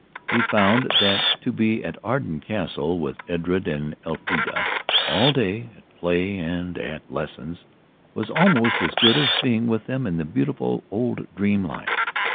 He found that to be at Arden Castle with Edred and Elfrida all day, at play and at lessons, was almost as good as being with them in the beautiful old dream life.